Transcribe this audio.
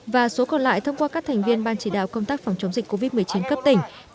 và số còn lại thông qua các thành viên ban chỉ đạo công tác phòng chống dịch covid một mươi chín cấp tỉnh